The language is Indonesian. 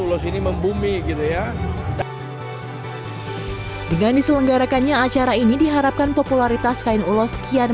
ulos ini membumi gitu ya dengan diselenggarakannya acara ini diharapkan popularitas kain ulos kian